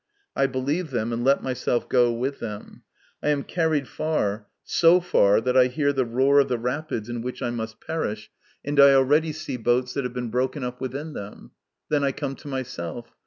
I believe them, and let myself go with them. I am carried far, so far that I hear the roar of the rapids in which I must perish, and I MY CONFESSION. H7 already see boats that have been broken up within them. Then I come to myself.